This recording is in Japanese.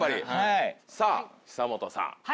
さぁ久本さん。